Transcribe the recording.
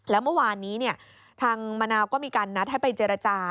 แล้วเมื่อวานนี้ทางมะนาวก็มีการนัดให้ไปเจรจา